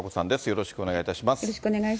よろしくお願いします。